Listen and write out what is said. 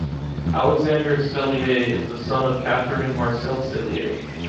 Alexandre Cellier is the son of Catherine and Marcel Cellier.